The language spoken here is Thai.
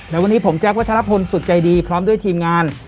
และวันนี้ผมแจ๊ควัชลพลฝึกใจดีพร้อมด้วยทีมงาน